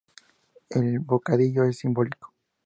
el bocadillo es simbólico